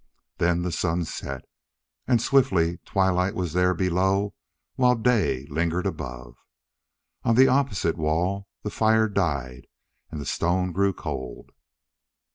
Then the sun set. And swiftly twilight was there below while day lingered above. On the opposite wall the fire died and the stone grew cold.